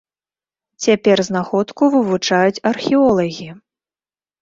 Цяпер знаходку вывучаюць археолагі.